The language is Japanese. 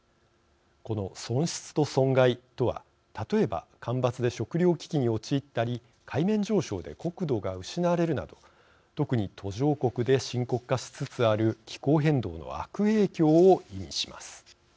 この損失と損害とは、例えば干ばつで食糧危機に陥ったり海面上昇で国土が失われるなど特に途上国で深刻化しつつある気候変動の悪影響を意味します。